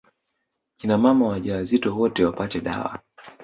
Kina mama wajawazito wote wapate dawa